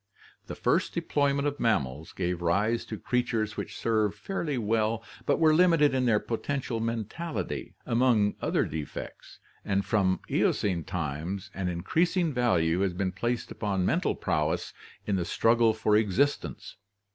The first deployment of mam mals gave rise to creatures which served fairly well but were limited in their potential mentality, among other defects, and from Eocene times an increasing value has been placed upon mental prowess in the struggle for existence.